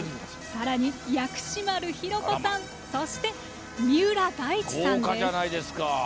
さらに薬師丸ひろ子さんとそして、三浦大知さんです。